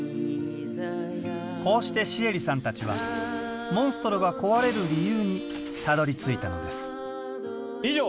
こうしてシエリさんたちはモンストロが壊れる理由にたどりついたのです以上